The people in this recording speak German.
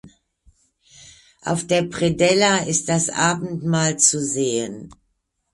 Auf der Predella ist das Abendmahl zu sehen.